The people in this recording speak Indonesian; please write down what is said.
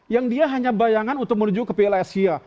yang dia hanya bayangan untuk menuju ke piala asia